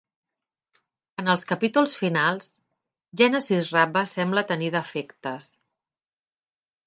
En els capítols finals, Genesis Rabba sembla tenir defectes.